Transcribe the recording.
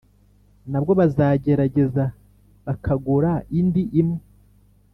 nabwo bazagerageza bakagura indi imwe